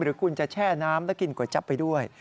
หรือคุณจะแช่น้ำและกินก๋วยจับไปด้วย